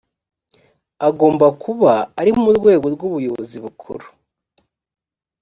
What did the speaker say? agomba kuba ari mu rwego rw’ubuyobozi bukuru